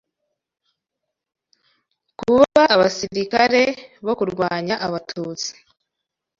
kuba abasilikare bo kurwanya abatutsi.”